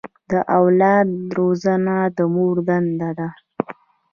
د اولاد روزنه د مور دنده ده.